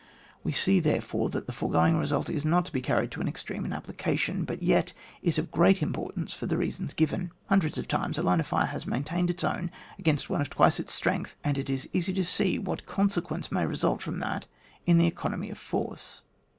We see, therefore, that the fore going result is not to be carried to an ex treme in application, but yet it is of great importance for the reasons given. Hun dreds of times a line of fire has maintained its own against one of twice its strength, and it is easy to see what consequences may result from that in the economy of force.